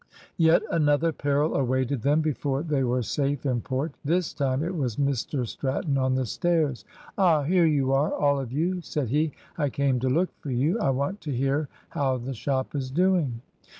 Yet another peril awaited them before they were safe in port. This time it was Mr Stratton on the stairs. "Ah, here you are all of you," said he. "I came to look for you. I want to hear how the shop is doing."